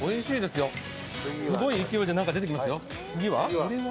すごい勢いで何か出てきますよ。